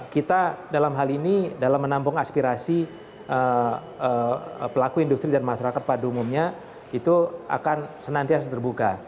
kita dalam hal ini dalam menampung aspirasi pelaku industri dan masyarakat pada umumnya itu akan senantiasa terbuka